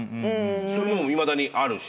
そういうのもいまだにあるし。